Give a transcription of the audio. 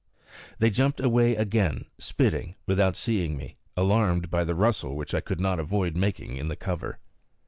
They jumped away again, spitting, without seeing me, alarmed by the rustle which I could not avoid making in the cover.